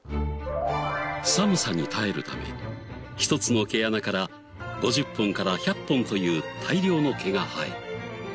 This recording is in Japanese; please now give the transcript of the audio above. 寒さに耐えるために１つの毛穴から５０本から１００本という大量の毛が生える。